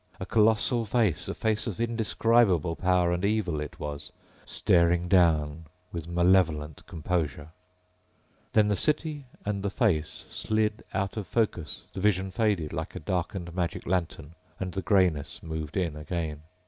A colossal face, a face of indescribable power and evil, it was, staring down with malevolent composure. Then the city and the face slid out of focus; the vision faded like a darkened magic lantern, and the grayness moved in again.